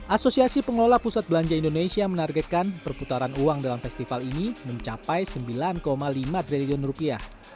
asosiasi pengelola pusat belanja indonesia menargetkan perputaran uang dalam festival ini mencapai sembilan lima triliun rupiah